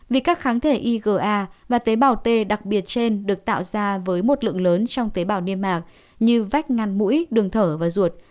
vì các kháng thể iga và tế bào t đặc biệt trên được tạo ra với một lượng lớn trong tế bào niêm mạc như vách ngăn mũi đường thở và ruột